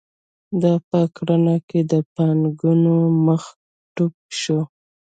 دا په کرنه کې د پانګونې مخه ډپ شوه.